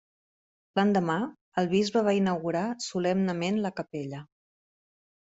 L'endemà, el bisbe va inaugurar solemnement la capella.